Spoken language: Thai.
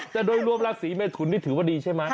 แต่โดยรวมราศีเมทุนนี่ถือว่าดีใช่ไหม